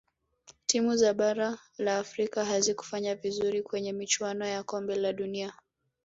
timu za bara la afrika hazikufanya vizuri kwenye michuano ya kombe la dunia